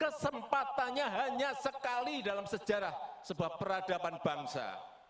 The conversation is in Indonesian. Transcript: kesempatannya hanya sekali dalam sejarah sebuah peradaban bangsa